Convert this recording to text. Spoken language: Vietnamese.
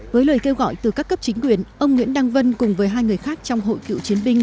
với lời kêu gọi từ các cấp chính quyền ông nguyễn đăng vân cùng với hai người khác trong hội cựu chiến binh